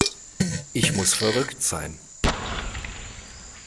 Ich muss verrückt sein.